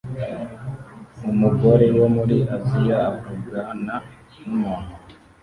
Umugore wo muri Aziya avugana numuntu